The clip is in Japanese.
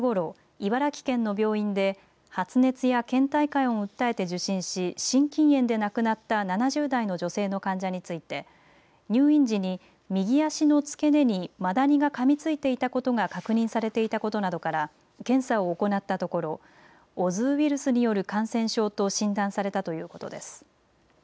茨城県の病院で発熱やけん怠感を訴えて受診し心筋炎で亡くなった７０代の女性の患者について入院時に右足の付け根にマダニが噛みついていたことが確認されていたことなどから検査を行ったところオズウイルスによる感染症と診断されたということです。